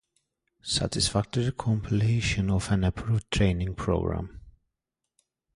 Satisfactory completion of an approved training program.